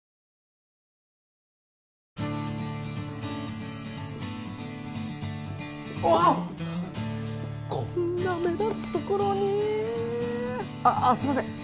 ああっこんな目立つところにあっすいません